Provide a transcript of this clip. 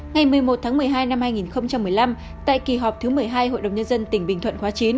ngày một mươi một tháng một mươi hai năm hai nghìn một mươi năm tại kỳ họp thứ một mươi hai hội đồng nhân dân tỉnh bình thuận khóa chín